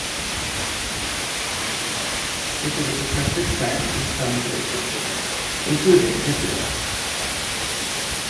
It is a protected plant in some jurisdictions, including Israel.